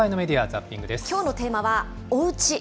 きょうのテーマは、おうち。